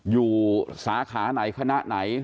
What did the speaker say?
สาขาไหนคณะไหน